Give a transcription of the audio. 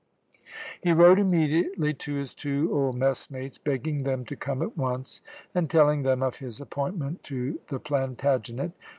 He wrote immediately to his two old messmates, begging them to come at once, and telling them of his appointment to the Plantagenet.